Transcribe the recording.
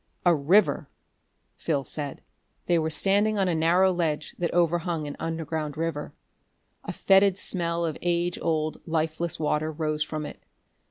"A river!" Phil said. They were standing on a narrow ledge that overhung an underground river. A fetid smell of age old, lifeless water rose from it.